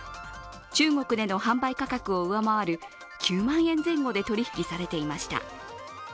中国での販売価格を上回る９万円前後で取り引きされていました。